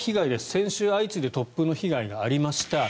先週、相次いで突風の被害がありました。